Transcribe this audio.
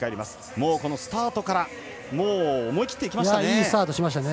もうこのスタートから思い切っていきましたね。